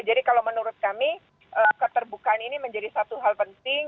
jadi kalau menurut kami keterbukaan ini menjadi satu hal penting